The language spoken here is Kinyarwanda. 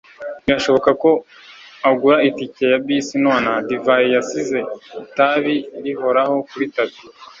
birashoboka ko agura itike ya bisi nonaha. Divayi yasize itabi rihoraho kuri tapi.